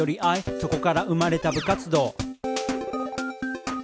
「そこから生まれた部活動」